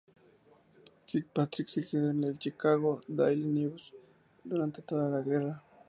Kirkpatrick se quedó en el Chicago Daily News durante toda la guerra.